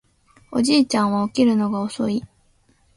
おじいちゃんは起きるのが遅い